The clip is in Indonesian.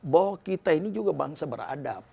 bahwa kita ini juga bangsa beradab